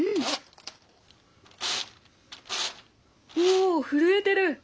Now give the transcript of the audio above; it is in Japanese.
お震えてる！